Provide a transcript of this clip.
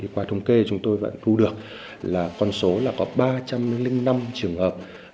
qua thống kê chúng tôi vẫn thu được là con số là có ba trăm linh năm trường hợp